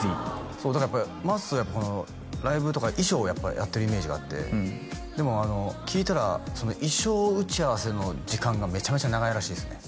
そうだからやっぱりまっすーはライブとか衣装をやってるイメージがあってでもあの聞いたら衣装打ち合わせの時間がメチャメチャ長いらしいですね